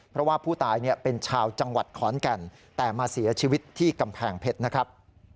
เพราะว่าผู้ตายเป็นชาวจังหวัดขอนแก่นแต่มาเสียชีวิตที่กำแพงเพชรนะครับ